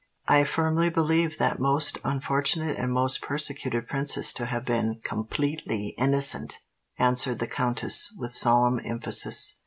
"I firmly believe that most unfortunate and most persecuted princess to have been completely innocent," answered the countess, with solemn emphasis.